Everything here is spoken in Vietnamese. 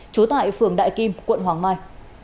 trú tại phường đại kim quận hoàng mai